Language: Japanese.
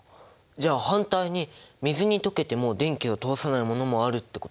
じゃ反対に水に溶けても電気を通さないものもあるってこと？